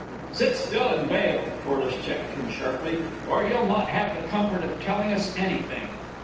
"Sit still, and bail!" Corliss checked him sharply. "Or you'll not have the comfort of telling us anything."